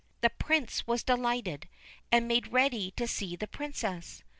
The Prince was delighted, and made ready to see the Princess.